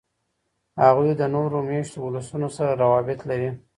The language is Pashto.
هغوی د نورو میشتو ولسونو سره روابط لري.